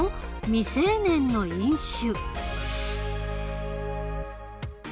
未成年の飲酒」。